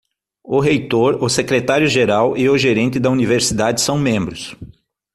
O reitor, o secretário geral e o gerente da universidade são membros.